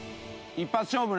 一発勝負。